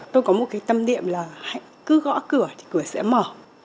tôi có một cái tâm niệm là cứ gõ cửa thì cửa sẽ mở